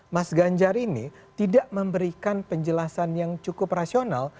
mas ganjar ini tidak memberikan penjelasan yang cukup rasional